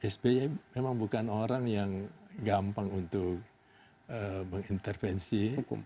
sby memang bukan orang yang gampang untuk mengintervensi